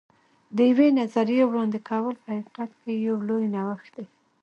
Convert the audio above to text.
د یوې نوې نظریې وړاندې کول په حقیقت کې یو لوی نوښت دی.